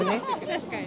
確かに。